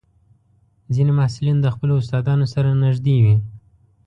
ځینې محصلین د خپلو استادانو سره نږدې وي.